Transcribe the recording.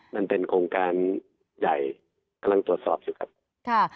มันเป็นโครงการใหญ่กำลังตรวจสอบอยู่ครับค่ะ